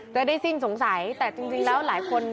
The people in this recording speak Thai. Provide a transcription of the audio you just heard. จะได้สิ้นสงสัยแต่จริงแล้วหลายคน